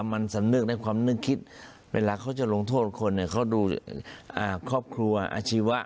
มันสำนึกในความนึกคิดเวลาเขาจะลงโทษคนเขาดูครอบครัวอาชีวะ